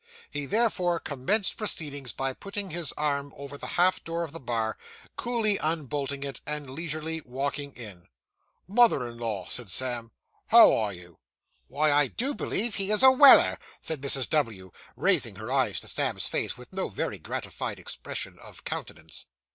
He therefore commenced proceedings by putting his arm over the half door of the bar, coolly unbolting it, and leisurely walking in. 'Mother in law,' said Sam, 'how are you?' 'Why, I do believe he is a Weller!' said Mrs. W., raising her eyes to Sam's face, with no very gratified expression of countenance.